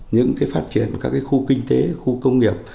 những phát triển các khu kinh tế khu công nghiệp